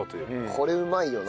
これうまいよな。